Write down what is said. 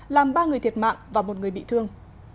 làm ba người thiệt mạng và một người bị thương